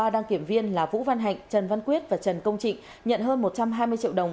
ba đăng kiểm viên là vũ văn hạnh trần văn quyết và trần công trịnh nhận hơn một trăm hai mươi triệu đồng